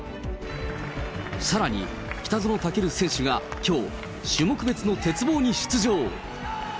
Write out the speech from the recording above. さらに、北園丈琉選手がきょう、種目別の鉄棒に出場。